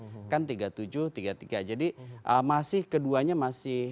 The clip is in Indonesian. berbeda jadi pasangan nomor urut satu itu masih menang jadi pasangan nomor urut dua itu masih menang